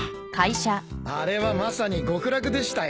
あれはまさに極楽でしたよ。